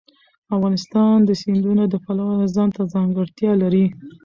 افغانستان د سیندونه د پلوه ځانته ځانګړتیا لري.